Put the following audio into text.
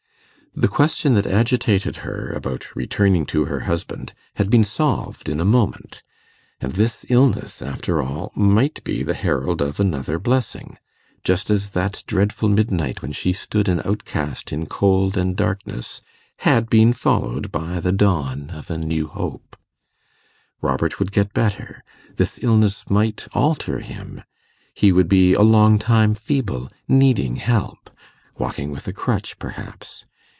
The question that agitated her, about returning to her husband, had been solved in a moment; and this illness, after all, might be the herald of another blessing, just as that dreadful midnight when she stood an outcast in cold and darkness had been followed by the dawn of a new hope. Robert would get better; this illness might alter him; he would be a long time feeble, needing help, walking with a crutch, perhaps.